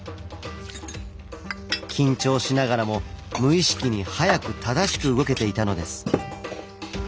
緊張しながらも無意識に速く正しく動けていたのです。